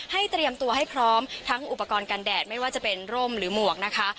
เตรียมตัวให้พร้อมทั้งอุปกรณ์กันแดดไม่ว่าจะเป็นร่มหรือหมวกนะคะ